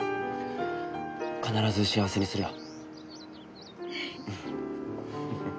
必ず幸せにするよ。